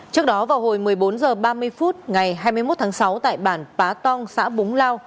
trước đó vào hồi một mươi bốn h ba mươi phút ngày hai mươi một tháng sáu tại bản pá tong xã búng lao